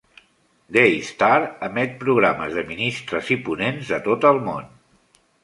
Daystar emet programes de ministres i ponents de tot el món.